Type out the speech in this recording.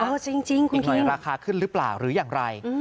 จริงคุณผู้ชมครับอีกหน่อยราคาขึ้นหรือเปล่าหรืออย่างไร